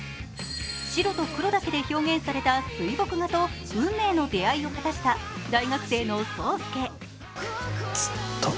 白と黒だけで表現された水墨画と運命の出会いを果たした大学生の霜介。